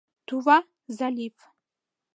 Тува — залив.